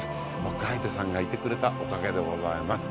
ガイドさんがいてくれたおかげでございます。